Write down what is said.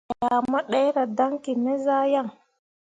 Me ah mu ɗerah daŋki me zah yan.